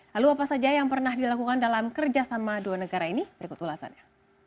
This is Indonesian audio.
lalu apa saja yang pernah dilakukan dalam kerjasama dua negara ini berikut ulasannya